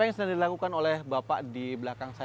apa yang sedang dilakukan oleh bapak di belakang saya